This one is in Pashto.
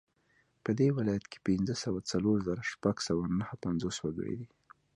په دې ولایت کې پنځه سوه څلور زره شپږ سوه نهه پنځوس وګړي دي